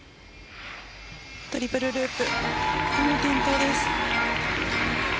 トリプルループ。